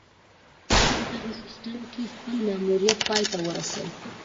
ما په دغه سیستم کې خپل ماموریت پای ته ورسوو